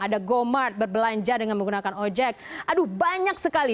ada gomart berbelanja dengan menggunakan ojek aduh banyak sekali